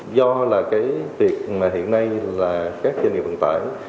do là cái việc mà hiện nay là các doanh nghiệp vận tải